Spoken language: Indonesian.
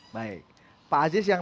baik pak aziz yang